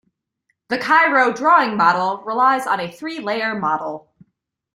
The Cairo drawing model relies on a three layer model.